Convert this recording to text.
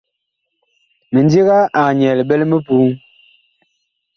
Mindiga ag nyɛɛ liɓɛ li mipuu.